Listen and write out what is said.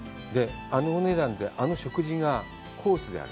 あのお値段で、あの食事がコースである。